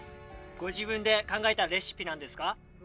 ご自分で考えたレシピなんですか？